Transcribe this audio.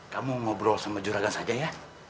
kamu ngobrol sama juragan saja ya